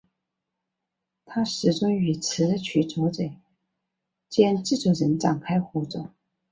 她最终与词曲作者兼制作人展开合作。